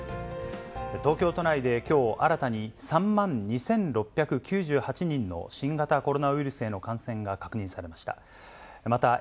東京都内できょう、新たに３万２６９８人の新型コロナウイルスへの感染が確認されました。